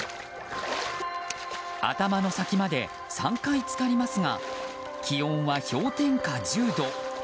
頭の先まで３回浸かりますが気温は氷点下１０度。